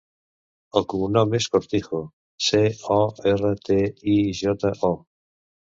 El cognom és Cortijo: ce, o, erra, te, i, jota, o.